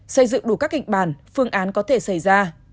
xây dựng đủ các kịch bản phương án có thể xảy ra